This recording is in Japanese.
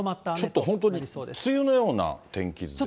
ちょっと本当に、梅雨のような天気図ですね。